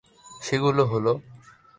সেগুলো হলঃ